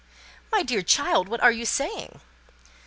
"My dear child, what are you saying?"